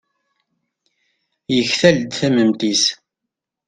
yektal-d tamemt-is